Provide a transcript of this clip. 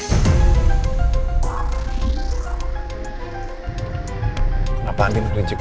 kenapa hantin klincik gue